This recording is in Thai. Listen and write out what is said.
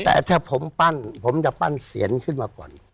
แต่ถ้าผมปั้นผมจะปั้นเสียนขึ้นมาก่อน